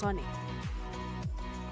dengan kecepatan supersonik